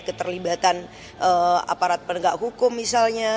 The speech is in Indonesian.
keterlibatan aparat penegak hukum misalnya